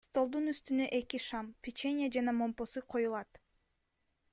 Столдун үстүнө эки шам, печенье жана момпосуй коюлат.